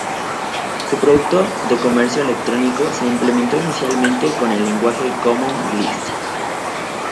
Su producto de comercio electrónico se implementó inicialmente en lenguaje Common Lisp.